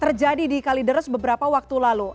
terjadi di kalideres beberapa waktu lalu